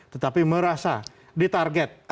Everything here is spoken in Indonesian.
tetapi merasa di target